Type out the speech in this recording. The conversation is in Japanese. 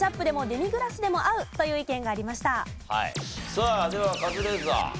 さあではカズレーザー。